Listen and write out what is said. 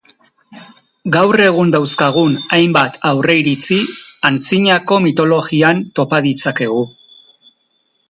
Gaur egun dauzkagun hainbat aurreiritzi antzinako mitologian topa ditzakegu.